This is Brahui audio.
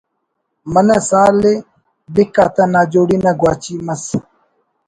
منہ سال بِک آتا ناجوڑی نا گواچی مس